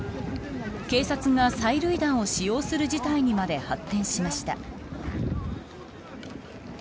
警察が催涙弾を使用する事態にまで発展しました。